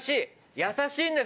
優しいんです。